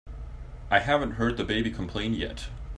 I haven't heard the baby complain yet.